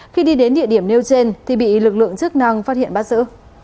khi đi đến địa điểm nêu trên thì bị lực lượng chức năng phát hiện bắt giữ